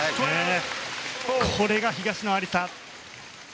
これが東野有紗！